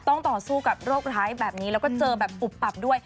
ต่อสู้กับโรคร้ายแบบนี้แล้วก็เจอแบบอุบอับด้วย